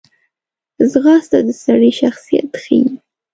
ځغاسته د سړي شخصیت ښیي